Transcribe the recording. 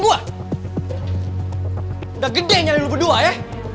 udah gede nyari lo berdua ya